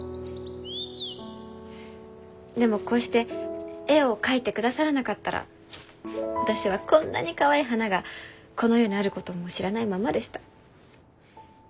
でもこうして絵を描いてくださらなかったら私はこんなにかわいい花がこの世にあることも知らないままでした。